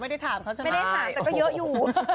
ไม่ได้ถามแต่ก็เยอะอยู่